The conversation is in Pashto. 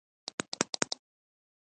د باران د څاڅکو غږ مې پر کړکۍ واورېد.